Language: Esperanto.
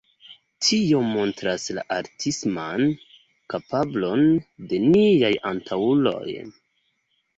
Tio montras la artisman kapablon de niaj antaŭuloj.